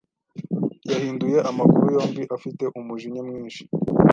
Yahinduye amaguru yombi afite umujinya mwinshi